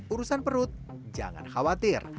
urusan perut jangan khawatir